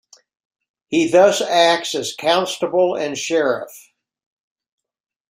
He thus acts as constable and sheriff.